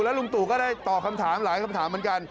ลุงตู่ก็ได้ตอบคำถามหลายคำถามเหมือนกัน